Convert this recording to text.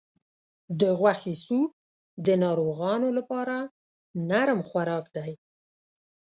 د غوښې سوپ د ناروغانو لپاره نرم خوراک دی.